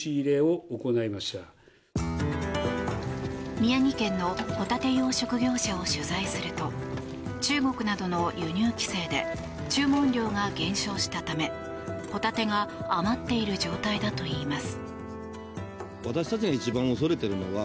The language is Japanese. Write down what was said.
宮城県のホタテ養殖業者を取材すると中国などの輸入規制で注文量が減少したためホタテが余っている状態だといいます。